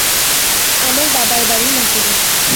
আমার বাবার বাড়ি নাটোরে।